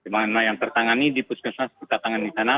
mana yang tertangani di puskesmas kita tangani sana